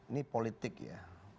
ini politik ya